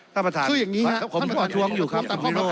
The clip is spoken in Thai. ท่านประธานครับผมขออนุญาตประทวงอยู่ครับ